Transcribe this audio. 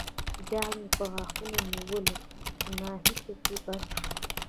جال مې په غاښونو نیولی وو چې ماهي پکې بند شو.